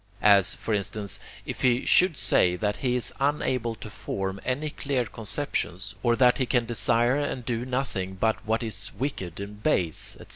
As, for instance, if he should say that he is unable to form any clear conceptions, or that he can desire and do nothing but what is wicked and base, &c.